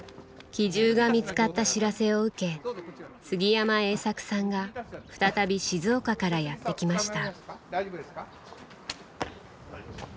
機銃が見つかった知らせを受け杉山栄作さんが再び静岡からやって来ました。